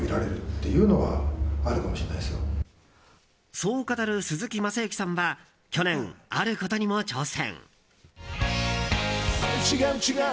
そう語る鈴木雅之さんは去年、あることにも挑戦。